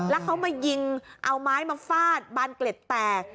แล้วเขามายิงเอาไม้มาฟาดบานเกล็ดแตก